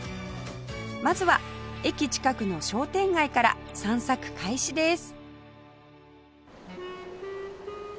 まずは駅近くの商店街から散策開始です